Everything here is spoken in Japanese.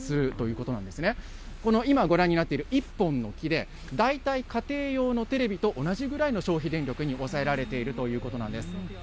この今、ご覧になっている１本の木で、大体家庭用のテレビと同じぐらいの消費電力に抑えられているということなんです。